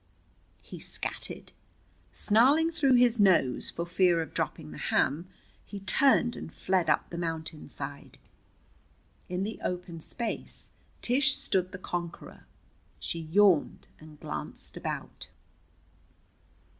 He "scatted." Snarling through his nose, for fear of dropping the ham, he turned and fled up the mountainside. In the open space Tish stood the conqueror. She yawned and glanced about.